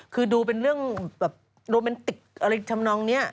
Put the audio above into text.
คือดูเป็นเรื่องแบบโรแมนติกอะไรทำนองนี้